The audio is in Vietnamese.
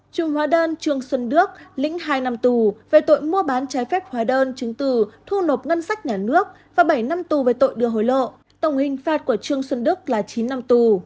trung hóa đơn trương xuân đức lĩnh hai năm tù về tội mua bán trái phép hóa đơn chứng từ thu nộp ngân sách nhà nước và bảy năm tù về tội đưa hối lộ tổng hình phạt của trương xuân đức là chín năm tù